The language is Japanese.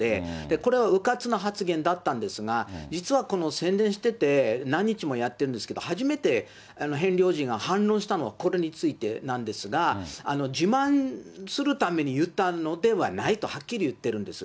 これはうかつな発言だったんですが、実はこの宣伝してて、何日もやってるんですけど、初めてヘンリー王子が反論したのは、これについてなんですが、自慢するために言ったのではないとはっきり言ってるんです。